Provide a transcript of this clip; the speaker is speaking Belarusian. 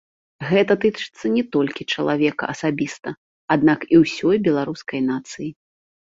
Гэта тычыцца не толькі чалавека асабіста, аднак і ўсёй беларускай нацыі.